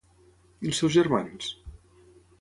I els seus germans?